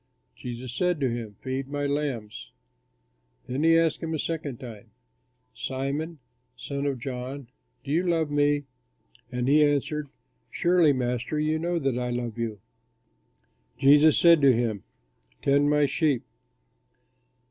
Jesus said to him, "Feed my lambs." Then he asked him a second time, "Simon, son of John, do you love me?" And he answered, "Surely, Master, you know that I love you." Jesus said to him, "Tend my sheep."